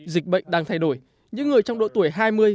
dịch bệnh đang thay đổi những người trong độ tuổi hai mươi